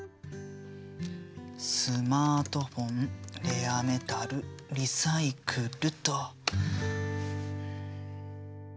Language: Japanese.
「スマートフォン」「レアメタル」「リサイクル」と。